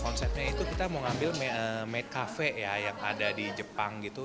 konsepnya itu kita mau ngambil made cafe ya yang ada di jepang gitu